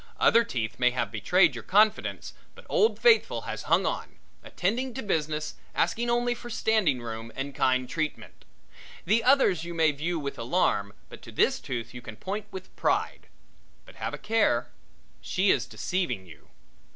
Other teeth may have betrayed your confidence but Old Faithful has hung on, attending to business, asking only for standing room and kind treatment. The others you may view with alarm, but to this tooth you can point with pride. But have a care she is deceiving you.